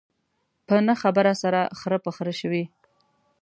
په نه خبره سره خره په خره شوي.